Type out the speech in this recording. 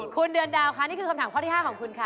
คุณเดือนดาวค่ะนี่คือคำถามข้อที่๕ของคุณค่ะ